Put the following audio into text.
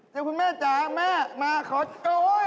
เจอคุณแม่จ๋าแม่มาขอโอ๊ย